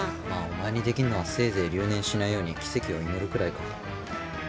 まあお前にできんのはせいぜい留年しないように奇跡を祈るくらいか。